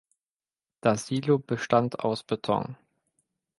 Das Silo bestand aus Beton.